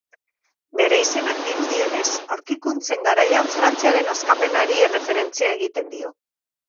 Bere izenak, dirudienez, aurkikuntzen garaian Frantziaren askapenari erreferentzia egiten dio.